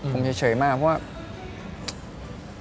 ผมเฉยมากเพราะว่า